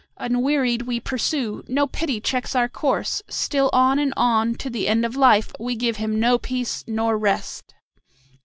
Unwearied we pursue; no pity checks our course; still on and on, to the end of life, we give him no peace nor rest."